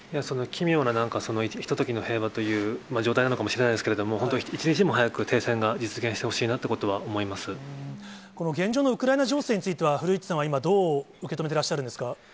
奇妙ななんかひとときの平和という状態なのかもしれないですけど、本当、一日も早く、停戦が実現してほしいなということは思この現状のウクライナ情勢については、古市さんは今、どう受け止めてらっしゃるんですか。